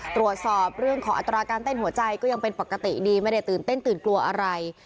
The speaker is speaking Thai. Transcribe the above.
ตรวจสอบเรื่องของอัตราการเต้นหัวใจก็ยังเป็นปกติดีไม่ได้ตื่นเต้นตื่นกลัวอะไร